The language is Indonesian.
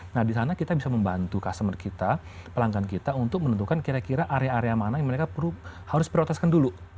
nah di sana kita bisa membantu customer kita pelanggan kita untuk menentukan kira kira area area mana yang mereka harus prioritaskan dulu